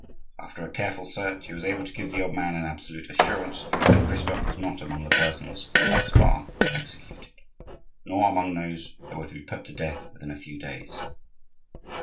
After a careful search he was able to give the old man an absolute assurance that Christophe was not among the persons thus far executed, nor among those who were to be put to death within a few days.